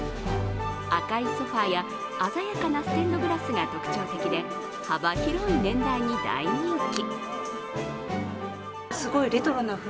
赤いソファーや鮮やかなステンドグラスが特徴的で幅広い年代に大人気。